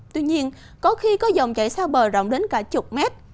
tuy nhiên có khi có dòng chảy xa bờ rộng đến cả chục mét